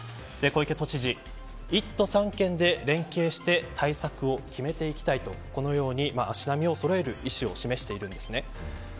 小池都知事、１都３県で連携して対策を決めていきたいとこのように足並みをそろえる意思を示しています。